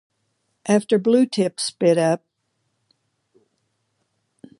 After Bluetip split up, Farrell formed a new band, Retisonic.